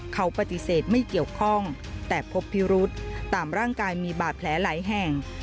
เขาปฏิเสธไม่เกี่ยวข้อง